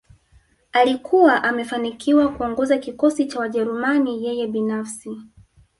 Alikuwa amefanikiwa kuongoza kikosi cha Wajerumani yeye binafsi